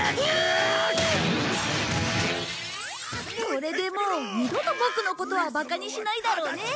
これでもう二度とボクのことはバカにしないだろうね。